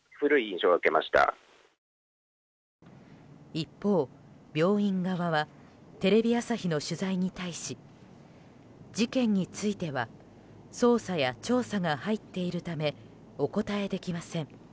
一方、病院側はテレビ朝日の取材に対し事件については捜査や調査が入っているためお答えできません。